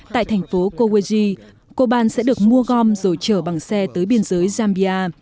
tại thành phố koweji coban sẽ được mua gom rồi chở bằng xe tới biên giới zambia